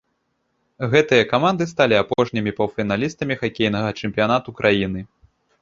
Гэтыя каманды сталі апошнімі паўфіналістамі хакейнага чэмпіянату краіны.